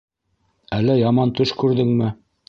Әллә яман төш күрҙеңме?